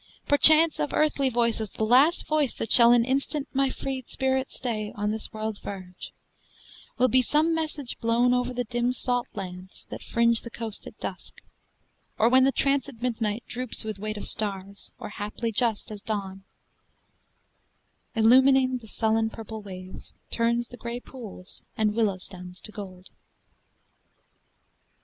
Perchance of earthly voices the last voice That shall an instant my freed spirit stay On this world's verge, will be some message blown Over the dim salt lands that fringe the coast At dusk, or when the trancèd midnight droops With weight of stars, or haply just as dawn, Illumining the sullen purple wave, Turns the gray pools and willow stems to gold.